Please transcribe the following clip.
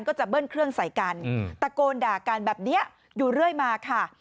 ก็จะเบิ้ลเครื่องใส่กันตะโกนด่ากันแบบนี้อยู่เรื่อยมาค่ะ